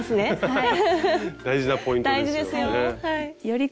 はい。